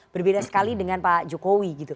berbeda sekali dengan pak jokowi gitu